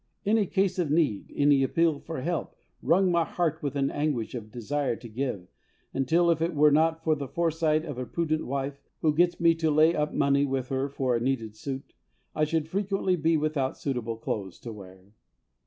Any case of need, any appeal for help, wrung my heart with an anguish of desire to give, until if it were not for the foresight of a prudent wife, who gets me to lay up money with her for a needed suit, I should frequently be without suitable clothes to wear.